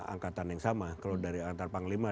angkatan yang sama kalau dari antar panglima